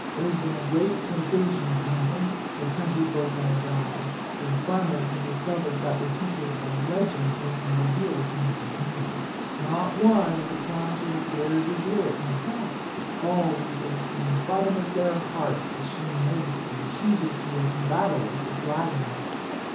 There has been a great sensation at Wantley. The country folk are aroused; the farmers have discovered that the secret of our legend has been revealed to Miss Elaine. Not one of the clowns would have dared reveal it himself, but all rejoice in the bottom of their hearts that she knows it, and chooses to risk battle with the Dragon.